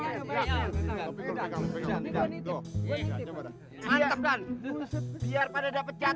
bener jadi babi dah